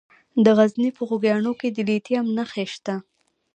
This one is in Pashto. د غزني په خوږیاڼو کې د لیتیم نښې شته.